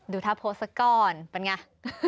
ดูท่าโพสต์สักก่อนเป็นอย่างไร